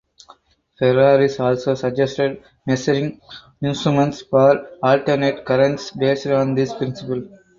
Ferraris also suggested measuring instruments for alternate currents based on this principle.